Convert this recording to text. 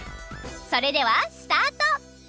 それではスタート！